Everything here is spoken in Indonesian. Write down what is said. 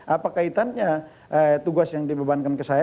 apa kaitannya tugas yang dibebankan ke saya